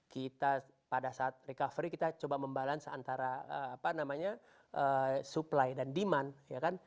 kita pada saat recovery kita coba membalansi antara supply dan demand